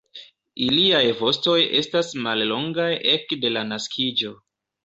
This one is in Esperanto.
Iliaj vostoj estas mallongaj ekde la naskiĝo.